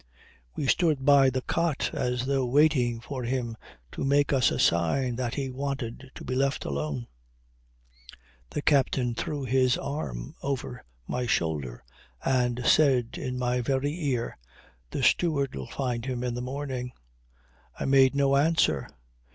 We stood by the cot as though waiting for him to make us a sign that he wanted to be left alone. The captain threw his arm over my shoulder and said in my very ear: "The steward'll find him in the morning." "I made no answer.